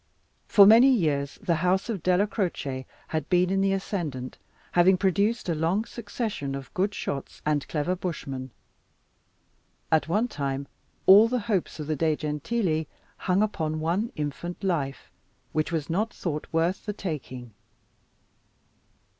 For many years the house of Della Croce had been in the ascendant, having produced a long succession of good shots and clever bushmen. At one time all the hopes of the De Gentili hung upon one infant life, which was not thought worth the taking.